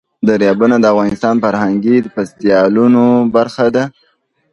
دریابونه د افغانستان د فرهنګي فستیوالونو برخه ده.